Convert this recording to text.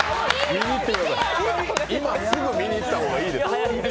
今すぐ見に行った方がいいです。